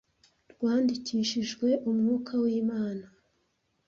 rwandikishijwe umwuka w Imana